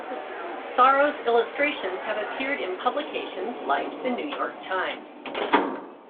Sorrow's illustrations have appeared in publications like "The New York Times".